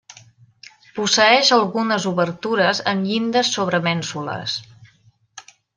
Posseeix algunes obertures amb llindes sobre mènsules.